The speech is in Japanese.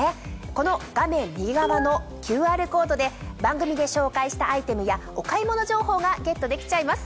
この画面右側のＱＲコードで番組で紹介したアイテムやお買い物情報がゲットできちゃいます。